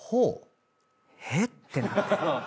へっ？ってなって。